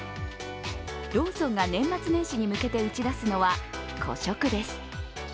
ローソンが年末年始に向けて打ち出すのは個食です。